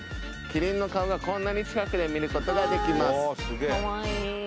キリンの顔がこんなに近くで見ることができます